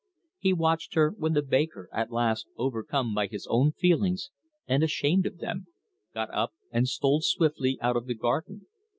He watched her when the baker, at last, overcome by his own feelings and ashamed of them got up and stole swiftly out of the garden.